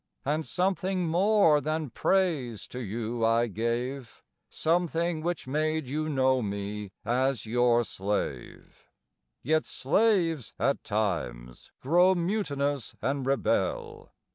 And something more than praise to you I gave— Something which made you know me as your slave. Yet slaves, at times, grow mutinous and rebel.